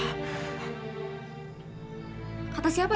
tidak mungkin kita